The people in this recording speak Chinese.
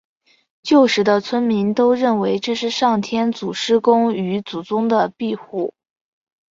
旧时的村民都认为这是上天祖师公与祖宗的庇护。